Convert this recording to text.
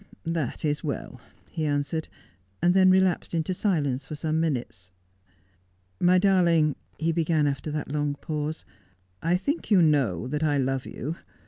' That is well,' he answered, and then relapsed into silence for some minutes. 'My darling,' he began after that long pause, 'I think you know that I love you.